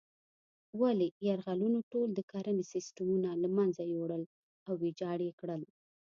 ولې یرغلونو ټول د کرنې سیسټمونه له منځه یوړل او ویجاړ یې کړل.